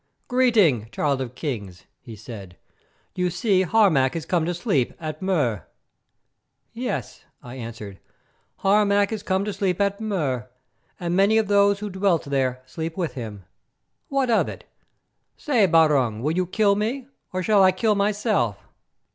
"Greeting, Child of Kings," he said. "You see Harmac is come to sleep at Mur." "Yes," I answered, "Harmac is come to sleep at Mur, and many of those who dwelt there sleep with him. What of it? Say, Barung, will you kill me, or shall I kill myself?"